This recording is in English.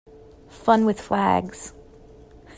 Fun with flags.